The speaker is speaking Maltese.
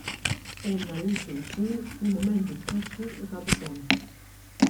Għenna lil xulxin fil-mument diffiċli u ta' bżonn.